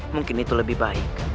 mungkin itu lebih baik